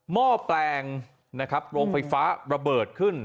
ห้อแปลงนะครับโรงไฟฟ้าระเบิดขึ้น